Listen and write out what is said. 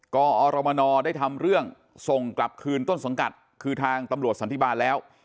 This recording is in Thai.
กอรมนได้ทำเรื่องส่งกลับคืนต้นสังกัดคือทางตำรวจสันติบาลแล้ว